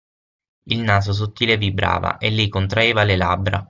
Il naso sottile vibrava e lei contraeva le labbra.